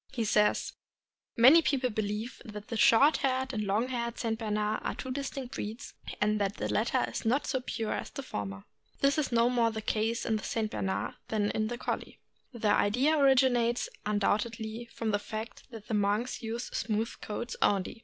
He says: Many people believe that the short haired and long haired St. Bernard are two distinct breeds, and that the latter is not so pure as the former. This is 560 THE AMERICAN BOOK OF THE DOG. no more the case in the St. Bernard than in the Collie. The idea originates, undoubtedly, from the fact that the monks use smooth coats only.